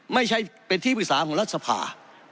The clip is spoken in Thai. ไม่ใช่เป็นที่ปรึกษาของรัฐสภา